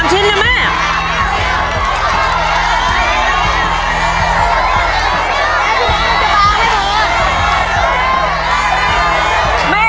แม่เหลือประมาณสองไม้นะฮะ